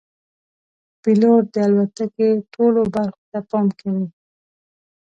پیلوټ د الوتکې ټولو برخو ته پام کوي.